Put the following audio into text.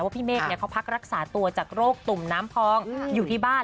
พี่เมฆเขาพักรักษาตัวจากโรคตุ่มน้ำพองอยู่ที่บ้าน